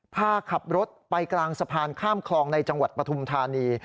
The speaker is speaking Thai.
พาขับรถไปกลางสะพานข้ามคลองในจังหวัดปฐุมธานี